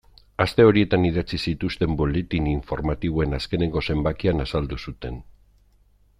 Aste horietan idatzi zituzten buletin informatiboen azkeneko zenbakian azaldu zuten.